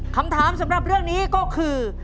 คำถามสำหรับเรื่องนี้ก็คือ